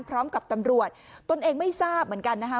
พร้อมกับตำรวจตนเองไม่ทราบเหมือนกันนะคะ